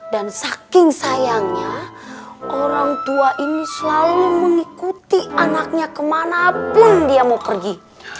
dan saking sayangnya orang tua ini selalu mengikuti anaknya kemanapun dia mau pergi